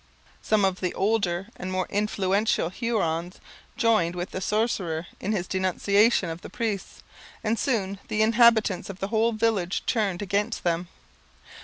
Some of the older and most influential Hurons joined with the sorcerer in his denunciation of the priests, and soon the inhabitants of the whole village turned against them.